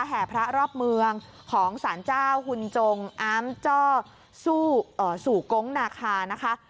แห่พระรอบเมืองของสารเจ้าหุ่นจงอามจ้อสู่กงนาคานะคะ